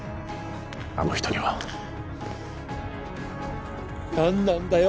あの人には何なんだよ